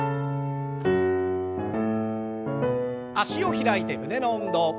脚を開いて胸の運動。